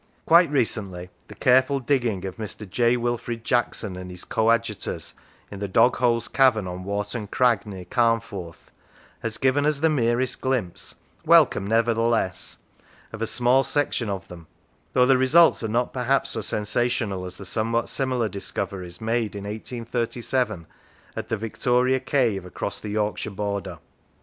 Quite recently the careful digging of Mr. J. Wilfrid Jackson and his coadjutors, in the Dogholes Cavern on Warton Crag, near Carnforth, has given us the merest glimpse, welcome nevertheless, of a small section of them, though the results are not perhaps so sensational as the somewhat similar discoveries made in 1837 at the Victoria Cave across the Yorkshire border.